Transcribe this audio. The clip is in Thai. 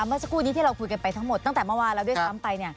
เมื่อสักครู่นี้ที่เราคุยกันไปทั้งหมดตั้งแต่เมื่อวานแล้วด้วยซ้ำไป